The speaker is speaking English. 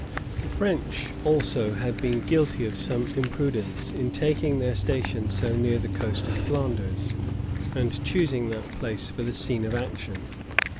The French also had been guilty of some imprudence in taking their station so near the coast of Flanders, and choosing that place for the scene of action.